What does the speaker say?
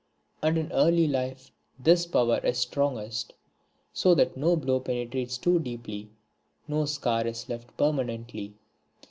And in early life this power is strongest, so that no blow penetrates too deeply, no scar is left permanently.